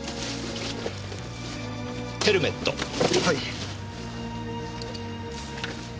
はい。